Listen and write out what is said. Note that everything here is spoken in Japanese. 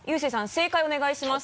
正解をお願いします。